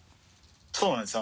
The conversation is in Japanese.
そうなんですよ